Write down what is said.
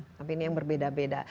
tapi ini yang berbeda beda